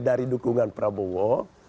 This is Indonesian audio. dari dukungan prabowo